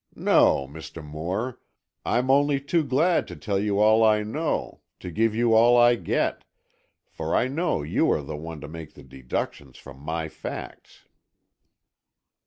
"No, Mr. Moore, I'm only too glad to tell you all I know, to give you all I get, for I know you are the one to make the deductions from my facts."